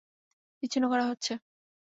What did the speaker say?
বিচ্ছিন্ন করা হচ্ছে!